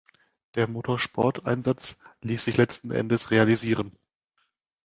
Der Motorsport-Einsatz ließ sich letzten Endes realisieren.